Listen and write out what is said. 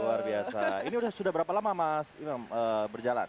luar biasa ini sudah berapa lama mas imam berjalan